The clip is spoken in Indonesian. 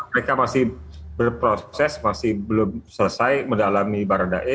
mereka masih berproses masih belum selesai mendalami barang dae